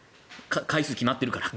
回数が決まっているから。